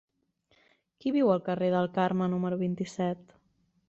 Qui viu al carrer del Carme número vint-i-set?